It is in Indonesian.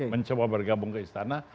mencoba bergabung ke istana